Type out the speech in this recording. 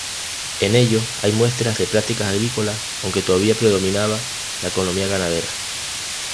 En ellos hay muestras de prácticas agrícolas, aunque todavía predominaba la economía ganadera.